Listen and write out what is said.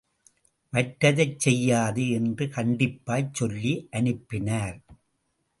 மற்றதைச் செய்யாதே என்று கண்டிப்பாய்ச் சொல்லி அனுப்பினார்.